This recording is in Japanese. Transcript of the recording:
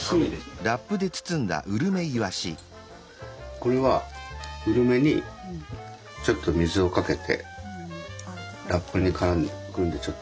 これはうるめにちょっと水をかけてラップにくるんでちょっと。